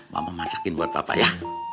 mama masakin buat bapak ya